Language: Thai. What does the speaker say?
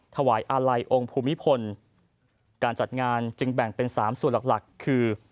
อาลัยองค์ภูมิพลการจัดงานจึงแบ่งเป็นสามส่วนหลักหลักคือ